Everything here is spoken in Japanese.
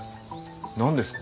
何ですか？